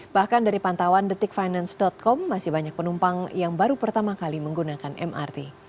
bahkan dari pantauan detikfinance com masih banyak penumpang yang baru pertama kali menggunakan mrt